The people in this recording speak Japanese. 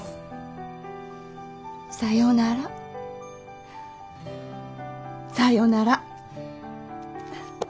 「さよなら、さよなら！」。